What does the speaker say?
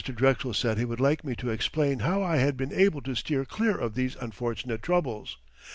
Drexel said he would like me to explain how I had been able to steer clear of these unfortunate troubles.